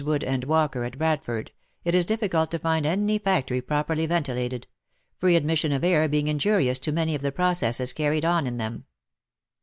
Wood and Walker, at Bradford, it is difficult to find any factory properly ventilated — free admission of air being injurious to many of the processes carried on in them.